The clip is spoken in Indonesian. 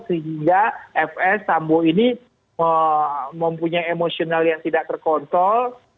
sehingga fs sambo ini mempunyai emosional yang tidak terkontrol